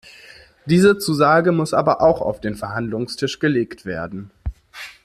Diese Zusage muss aber auch auf den Verhandlungstisch gelegt werden.